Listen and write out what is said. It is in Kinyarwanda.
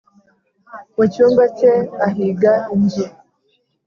mucyumba cye ahiga inzu